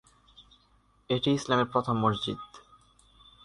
এটি ইসলামের প্রথম মসজিদ।